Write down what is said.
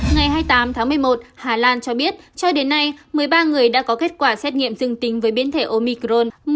ngày hai mươi tám tháng một mươi một hà lan cho biết cho đến nay một mươi ba người đã có kết quả xét nghiệm dương tính với biến thể omicron